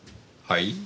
はい？